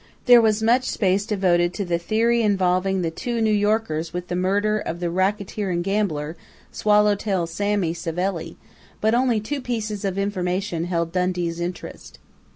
There was much space devoted to the theory involving the two New Yorkers with the murder of the racketeer and gambler, "Swallow tail Sammy" Savelli, but only two pieces of information held Dundee's interest.